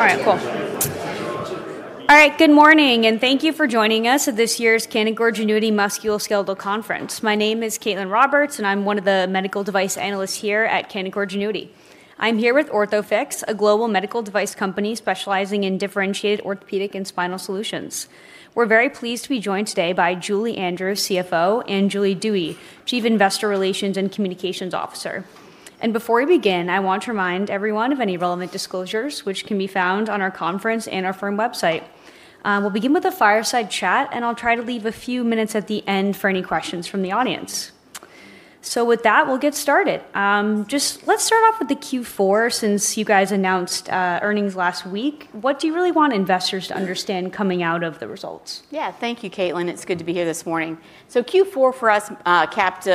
All right, cool. All right, good morning, and thank you for joining us at this year's Canaccord Genuity Musculoskeletal Conference. My name is Caitlin Roberts, and I'm one of the Medical Device analysts here at Canaccord Genuity. I'm here with Orthofix, a global medical device company specializing in differentiated orthopedic and spinal solutions. We're very pleased to be joined today by Julie Andrews, CFO, and Julie Dewey, Chief Investor Relations and Communications Officer. Before we begin, I want to remind everyone of any relevant disclosures which can be found on our conference and our firm website. We'll begin with a fireside chat, and I'll try to leave a few minutes at the end for any questions from the audience. With that, we'll get started. Just let's start off with the Q4 since you guys announced earnings last week. What do you really want investors to understand coming out of the results? Yeah. Thank you, Caitlin. It's good to be here this morning. Q4 for us capped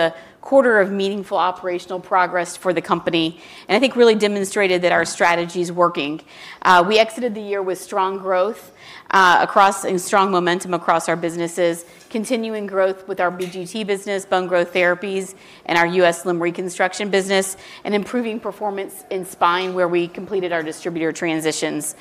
a quarter of meaningful operational progress for the company, and I think really demonstrated that our strategy is working. We exited the year with strong growth and strong momentum across our businesses, continuing growth with our BGT business, Bone Growth Therapies, and our U.S. Limb Reconstruction business, and improving performance in spine, where we completed our distributor transitions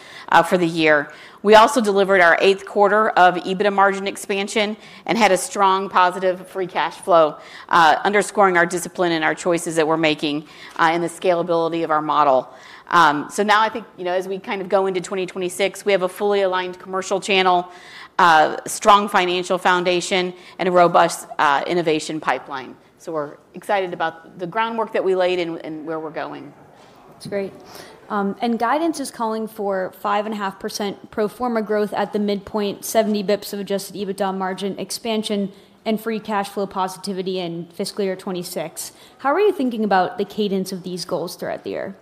for the year. We also delivered our eighth quarter of EBITDA margin expansion and had a strong positive free cash flow, underscoring our discipline and our choices that we're making, and the scalability of our model. Now I think, you know, as we kind of go into 2026, we have a fully aligned commercial channel, strong financial foundation, and a robust innovation pipeline. We're excited about the groundwork that we laid and where we're going. That's great. Guidance is calling for 5.5% pro forma growth at the midpoint, 70 basis points of adjusted EBITDA margin expansion, and free cash flow positivity in fiscal year 2026. How are you thinking about the cadence of these goals throughout the year?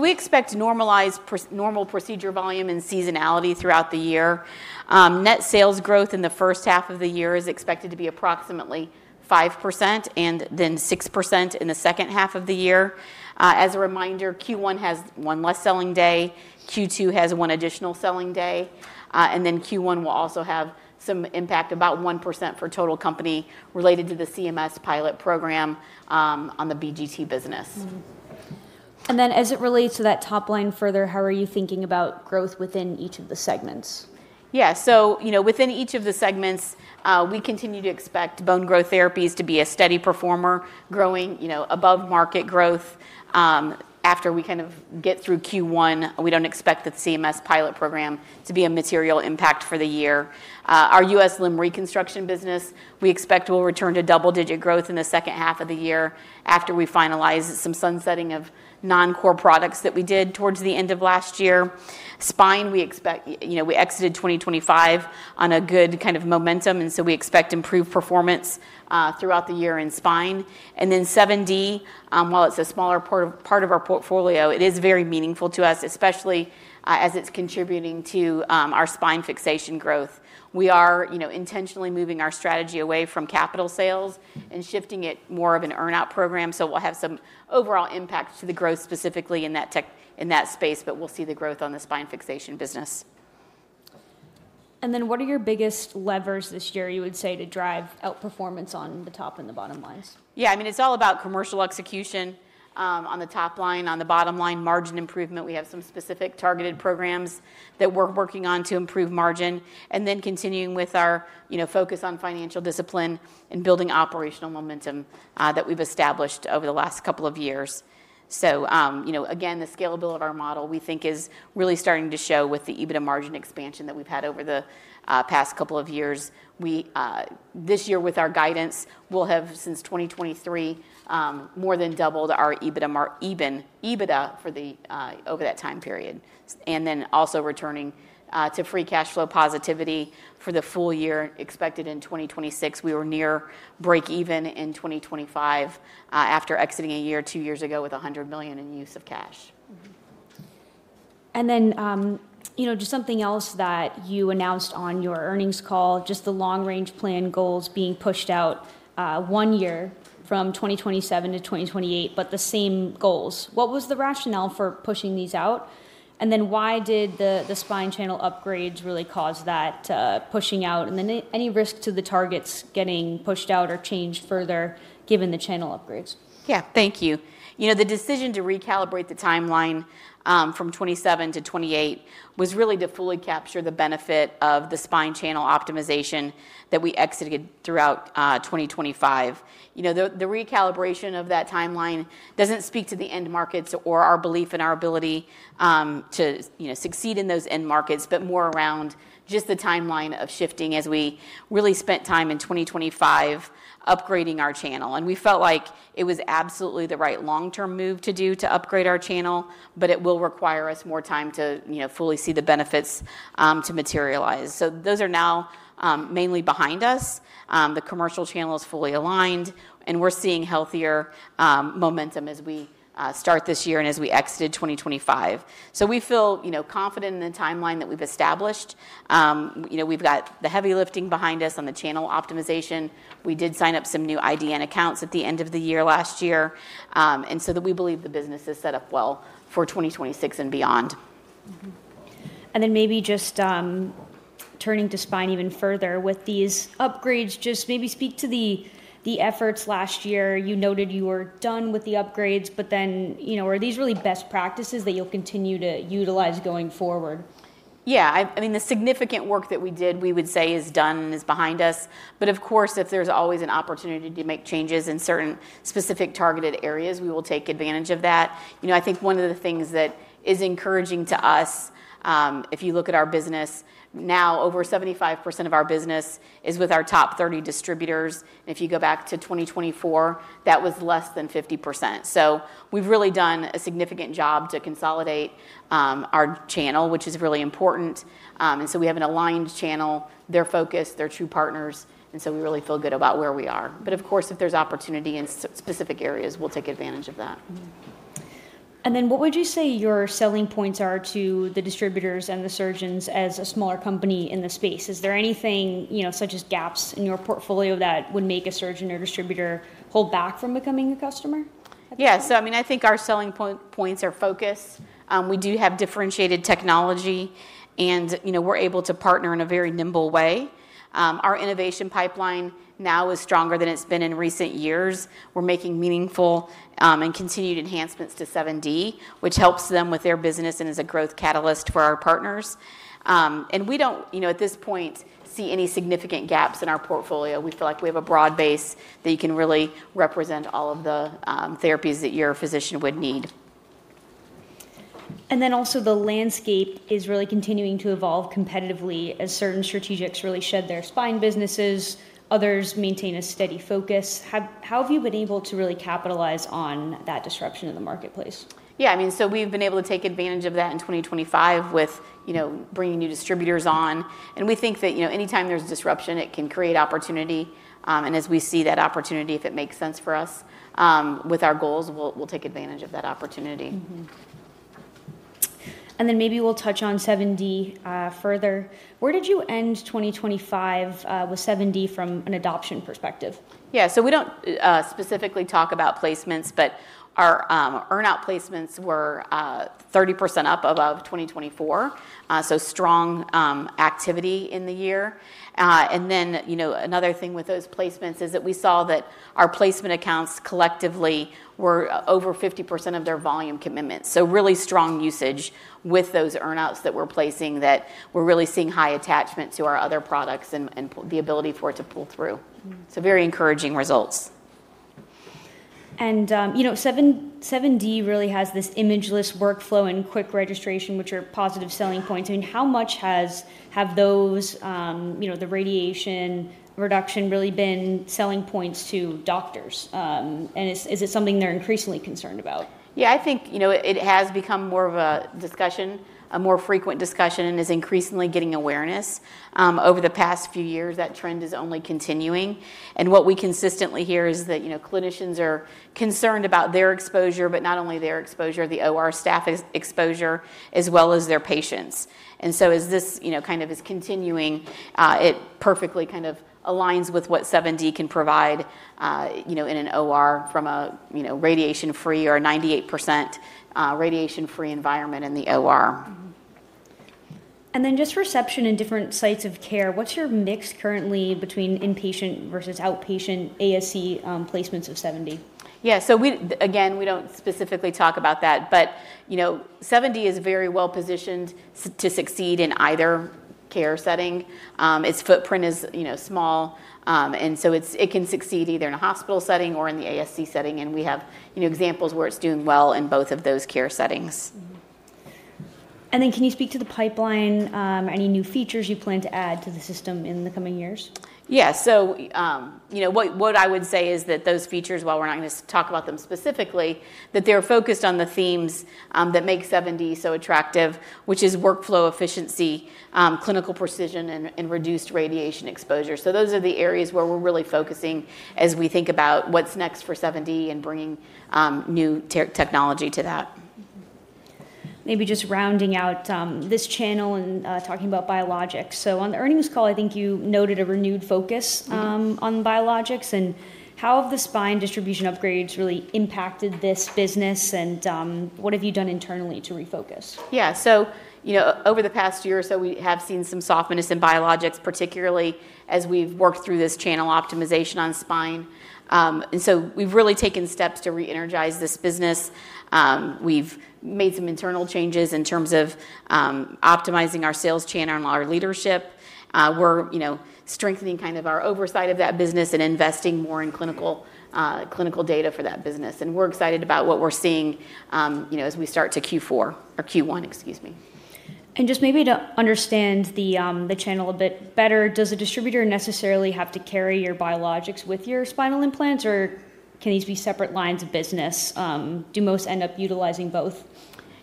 We expect normalized normal procedure volume and seasonality throughout the year. Net sales growth in the first half of the year is expected to be approximately 5% and then 6% in the second half of the year. As a reminder, Q1 has one less selling day, Q2 has one additional selling day, Q1 will also have some impact, about 1% for total company related to the CMS pilot program on the BGT business. Mm-hmm. As it relates to that top line further, how are you thinking about growth within each of the segments? You know, within each of the segments, we continue to expect Bone Growth Therapies to be a steady performer growing, you know, above market growth. After we kind of get through Q1, we don't expect the CMS pilot program to be a material impact for the year. Our U.S. Limb Reconstruction business, we expect will return to double-digit growth in the second half of the year after we finalize some sunsetting of non-core products that we did towards the end of last year. Spine, you know, we exited 2025 on a good kind of momentum, we expect improved performance throughout the year in Spine. 7D, while it's a smaller part of our portfolio, it is very meaningful to us, especially as it's contributing to our spine fixation growth. We are, you know, intentionally moving our strategy away from capital sales and shifting it more of an earn-out program. We'll have some overall impact to the growth, specifically in that space, but we'll see the growth on the spine fixation business. What are your biggest levers this year, you would say, to drive outperformance on the top and the bottom lines? Yeah. I mean, it's all about commercial execution on the top line, on the bottom line, margin improvement. We have some specific targeted programs that we're working on to improve margin. Continuing with our, you know, focus on financial discipline and building operational momentum that we've established over the last couple of years. You know, again, the scalability of our model, we think is really starting to show with the EBITDA margin expansion that we've had over the past couple of years. We this year with our guidance, we'll have since 2023 more than doubled our EBITDA for the over that time period. Also returning to free cash flow positivity for the full year expected in 2026. We were near breakeven in 2025, after exiting a year, two years ago with $100 million in use of cash. you know, just something else that you announced on your earnings call, just the long-range plan goals being pushed out, one year from 2027 to 2028, but the same goals. What was the rationale for pushing these out? Why did the spine channel upgrades really cause that pushing out? Any risk to the targets getting pushed out or changed further given the channel upgrades? Yeah. Thank you. You know, the decision to recalibrate the timeline, from 27 to 28 was really to fully capture the benefit of the spine channel optimization that we exited throughout 2025. You know, the recalibration of that timeline doesn't speak to the end markets or our belief in our ability, to, you know, succeed in those end markets, but more around just the timeline of shifting as we really spent time in 2025 upgrading our channel. We felt like it was absolutely the right long-term move to do to upgrade our channel, but it will require us more time to, you know, fully see the benefits, to materialize. Those are now mainly behind us. The commercial channel is fully aligned, and we're seeing healthier momentum as we start this year and as we exited 2025. We feel, you know, confident in the timeline that we've established. You know, we've got the heavy lifting behind us on the channel optimization. We did sign up some new IDN accounts at the end of the year last year. That we believe the business is set up well for 2026 and beyond. Maybe just Turning to spine even further, with these upgrades, just maybe speak to the efforts last year. You noted you were done with the upgrades, but then, you know, are these really best practices that you'll continue to utilize going forward? Yeah. I mean, the significant work that we did, we would say is done and is behind us. Of course, if there's always an opportunity to make changes in certain specific targeted areas, we will take advantage of that. You know, I think one of the things that is encouraging to us, if you look at our business now, over 75% of our business is with our top 30 distributors. If you go back to 2024, that was less than 50%. We've really done a significant job to consolidate, our channel, which is really important. We have an aligned channel. They're focused, they're true partners, and so we really feel good about where we are. Of course, if there's opportunity in specific areas, we'll take advantage of that. Then what would you say your selling points are to the distributors and the surgeons as a smaller company in the space? Is there anything, you know, such as gaps in your portfolio that would make a surgeon or distributor hold back from becoming a customer at this point? Yeah. I mean, I think our selling points are focus. We do have differentiated technology and, you know, we're able to partner in a very nimble way. Our innovation pipeline now is stronger than it's been in recent years. We're making meaningful and continued enhancements to 7D, which helps them with their business and is a growth catalyst for our partners. We don't, you know, at this point, see any significant gaps in our portfolio. We feel like we have a broad base that you can really represent all of the therapies that your physician would need. Also the landscape is really continuing to evolve competitively as certain strategics really shed their spine businesses, others maintain a steady focus. How have you been able to really capitalize on that disruption in the marketplace? I mean, we've been able to take advantage of that in 2025 with, you know, bringing new distributors on. We think that, you know, anytime there's disruption, it can create opportunity. As we see that opportunity, if it makes sense for us, with our goals, we'll take advantage of that opportunity. Maybe we'll touch on 7D further. Where did you end 2025 with 7D from an adoption perspective? Yeah. We don't specifically talk about placements, but our earn-out placements were 30% up above 2024. Strong activity in the year. You know, another thing with those placements is that we saw that our placement accounts collectively were over 50% of their volume commitment. Really strong usage with those earn-outs that we're placing that we're really seeing high attachment to our other products and the ability for it to pull through. Mm-hmm. Very encouraging results. You know, 7D really has this imageless workflow and quick registration, which are positive selling points. I mean, how much have those, you know, the radiation reduction really been selling points to doctors? Is it something they're increasingly concerned about? Yeah, I think, you know, it has become more of a discussion, a more frequent discussion, and is increasingly getting awareness. Over the past few years, that trend is only continuing. What we consistently hear is that, you know, clinicians are concerned about their exposure, but not only their exposure, the OR staff exposure, as well as their patients. As this, you know, kind of is continuing, it perfectly kind of aligns with what 7D can provide, you know, in an OR from a, you know, radiation-free or 98%, radiation-free environment in the OR. Mm-hmm. Then just reception in different sites of care, what's your mix currently between inpatient versus outpatient ASC, placements of 7D? Again, we don't specifically talk about that. You know, 7D is very well positioned to succeed in either care setting. Its footprint is, you know, small, and so it can succeed either in a hospital setting or in the ASC setting, and we have, you know, examples where it's doing well in both of those care settings. Mm-hmm. Then can you speak to the pipeline, any new features you plan to add to the system in the coming years? Yeah. You know, what I would say is that those features, while we're not gonna talk about them specifically, that they're focused on the themes, that make 7D so attractive, which is workflow efficiency, clinical precision, and reduced radiation exposure. Those are the areas where we're really focusing as we think about what's next for 7D and bringing new technology to that. Maybe just rounding out this channel and talking about biologics. On the earnings call, I think you noted a renewed focus, Mm-hmm On biologics. How have the spine distribution upgrades really impacted this business, and what have you done internally to refocus? You know, over the past year or so, we have seen some softness in biologics, particularly as we've worked through this channel optimization on spine. We've really taken steps to re-energize this business. We've made some internal changes in terms of optimizing our sales channel and our leadership. We're, you know, strengthening kind of our oversight of that business and investing more in clinical data for that business. We're excited about what we're seeing, you know, as we start to Q4 or Q1, excuse me. Just maybe to understand the channel a bit better, does a distributor necessarily have to carry your biologics with your spinal implants, or can these be separate lines of business? Do most end up utilizing both?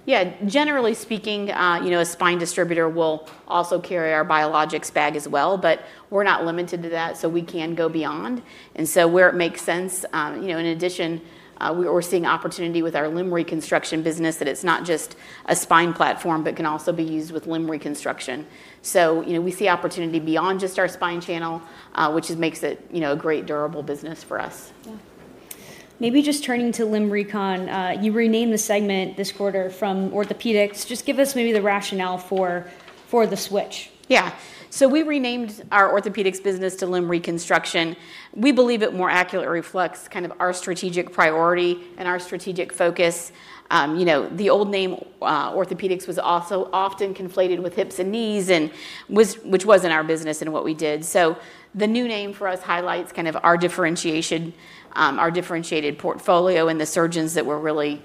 Yeah. Generally speaking, you know, a spine distributor will also carry our biologics bag as well, but we're not limited to that, so we can go beyond. Where it makes sense, you know, in addition, we're seeing opportunity with our limb reconstruction business, that it's not just a spine platform, but can also be used with limb reconstruction. You know, we see opportunity beyond just our spine channel, which it makes it, you know, a great durable business for us. Yeah. Maybe just turning to limb recon. You renamed the segment this quarter from orthopedics. Just give us maybe the rationale for the switch. We renamed our orthopedics business to Limb Reconstruction. We believe it more accurately reflects kind of our strategic priority and our strategic focus. You know, the old name, orthopedics was also often conflated with hips and knees and which wasn't our business and what we did. The new name for us highlights kind of our differentiation, our differentiated portfolio and the surgeons that we're really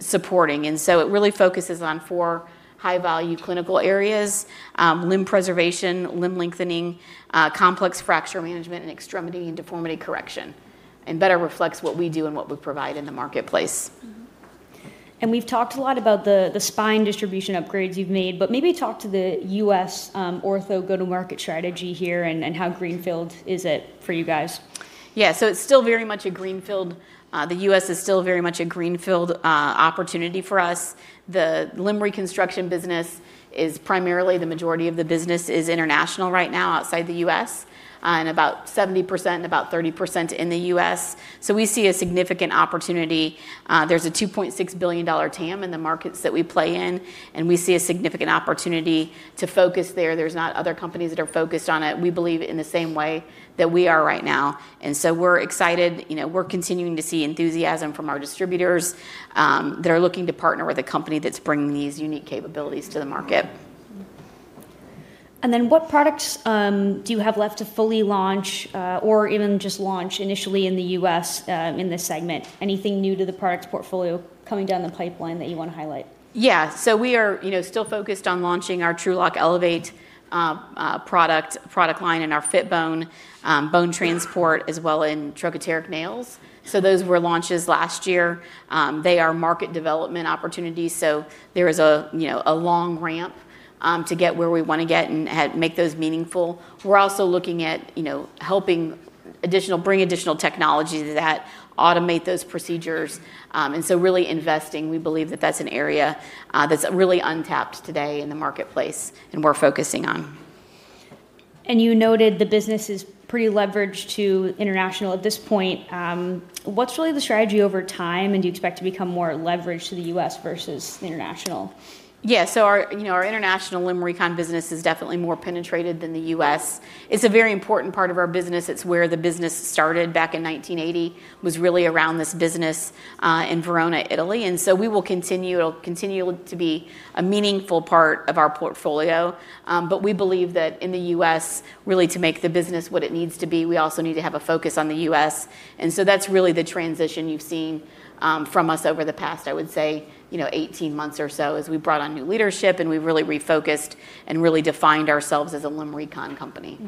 supporting. It really focuses on four high-value clinical areas: limb preservation, limb lengthening, complex fracture management, and extremity and deformity correction, and better reflects what we do and what we provide in the marketplace. We've talked a lot about the spine distribution upgrades you've made, but maybe talk to the U.S. ortho go-to-market strategy here and how greenfield is it for you guys? Yeah. It's still very much a greenfield, the U.S. is still very much a greenfield opportunity for us. The limb reconstruction business is primarily the majority of the business is international right now outside the U.S., and about 70%, about 30% in the U.S. We see a significant opportunity. There's a $2.6 billion TAM in the markets that we play in, and we see a significant opportunity to focus there. There's not other companies that are focused on it, we believe, in the same way that we are right now. We're excited. You know, we're continuing to see enthusiasm from our distributors that are looking to partner with a company that's bringing these unique capabilities to the market. What products do you have left to fully launch, or even just launch initially in the U.S., in this segment? Anything new to the product portfolio coming down the pipeline that you wanna highlight? Yeah. We are, you know, still focused on launching our TRULOCK Elevate product line and our Fitbone, bone transport as well in trochanteric nails. Those were launches last year. They are market development opportunities, so there is a, you know, a long ramp to get where we wanna get and make those meaningful. We're also looking at, you know, helping bring additional technology that automate those procedures. Really investing. We believe that that's an area that's really untapped today in the marketplace and we're focusing on. You noted the business is pretty leveraged to international at this point. What's really the strategy over time, and do you expect to become more leveraged to the U.S. versus international? Yeah. Our, you know, our international limb recon business is definitely more penetrated than the U.S. It's a very important part of our business. It's where the business started back in 1980, was really around this business, in Verona, Italy. We will continue. It'll continue to be a meaningful part of our portfolio. We believe that in the U.S., really to make the business what it needs to be, we also need to have a focus on the U.S., that's really the transition you've seen from us over the past, I would say, you know, 18 months or so as we brought on new leadership and we really refocused and really defined ourselves as a limb recon company.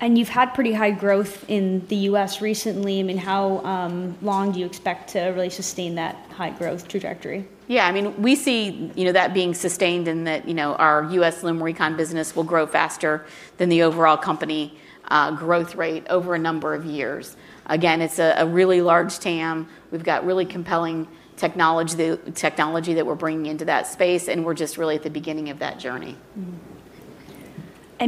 You've had pretty high growth in the U.S. recently. I mean, how long do you expect to really sustain that high growth trajectory? Yeah. I mean, we see, you know, that being sustained in that, you know, our U.S. limb recon business will grow faster than the overall company, growth rate over a number of years. Again, it's a really large TAM. We've got really compelling technology that we're bringing into that space, and we're just really at the beginning of that journey. Mm-hmm.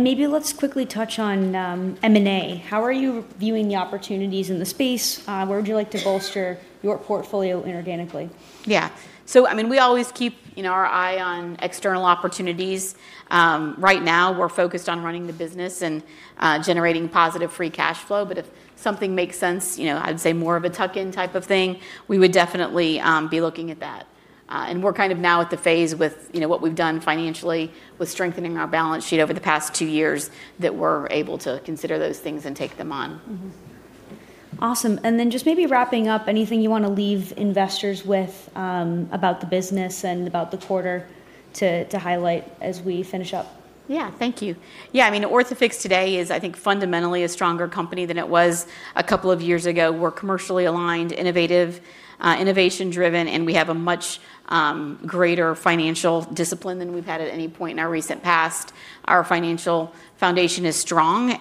Maybe let's quickly touch on M&A. How are you viewing the opportunities in the space? Where would you like to bolster your portfolio inorganically? Yeah. I mean, we always keep, you know, our eye on external opportunities. Right now we're focused on running the business and generating positive free cash flow. If something makes sense, you know, I'd say more of a tuck-in type of thing, we would definitely be looking at that. We're kind of now at the phase with, you know, what we've done financially with strengthening our balance sheet over the past two years that we're able to consider those things and take them on. Mm-hmm. Awesome. Then just maybe wrapping up, anything you wanna leave investors with, about the business and about the quarter to highlight as we finish up? Yeah. Thank you. Yeah, I mean, Orthofix today is, I think, fundamentally a stronger company than it was a couple of years ago. We're commercially aligned, innovative, innovation driven, and we have a much greater financial discipline than we've had at any point in our recent past. Our financial foundation is strong.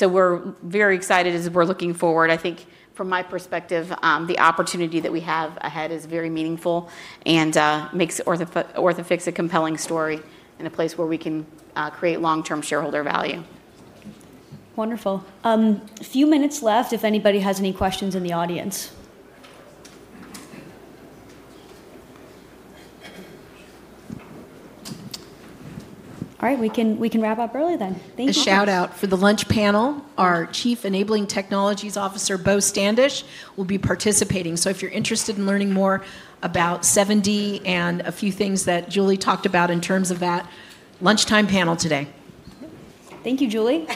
We're very excited as we're looking forward. I think from my perspective, the opportunity that we have ahead is very meaningful and makes Orthofix a compelling story and a place where we can create long-term shareholder value. Wonderful. A few minutes left if anybody has any questions in the audience. All right, we can wrap up early then. Thank you. A shout-out for the lunch panel. Our Chief Enabling Technologies Officer, Beau Standish, will be participating. If you're interested in learning more about 7D and a few things that Julie talked about in terms of that, lunchtime panel today. Thank you, Julie.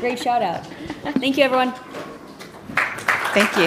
Great shout-out. Thank you, everyone. Thank you.